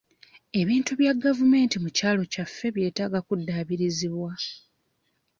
Ebintu bya gavumenti mu kyalo kyaffe byetaaga kuddaabirizibwa.